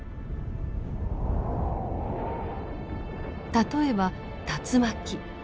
例えば竜巻。